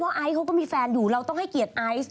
ไอซ์เขาก็มีแฟนอยู่เราต้องให้เกียรติไอซ์